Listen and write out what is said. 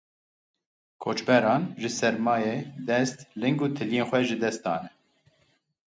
Koçberan ji sermayê dest, ling û tiliyên xwe ji dest dane.